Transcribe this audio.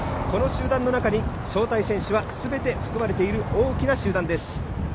この集団の中に招待選手がすべて含まれている、大きな集団です。